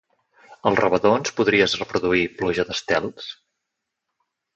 Al rebedor ens podries reproduir "Pluja d'estels"?